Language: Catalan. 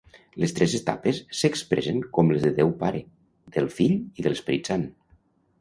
Les tres etapes s'expressen com les de Déu Pare, del Fill i de l'Esperit Sant.